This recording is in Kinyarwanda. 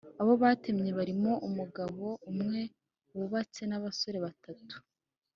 Abo batemye barimo umugabo umwe wubatse n’abasore batatu